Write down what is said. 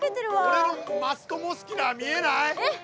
俺のマストモスキュラー見えない？えっ？